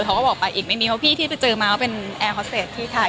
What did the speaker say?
เขาก็บอกไปอีกไม่มีเพราะพี่ที่ไปเจอมาก็เป็นแอร์คอสเตจที่ถ่าย